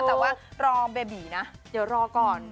แต่ว่ารองเบบีนะเดี๋ยวรอก่อน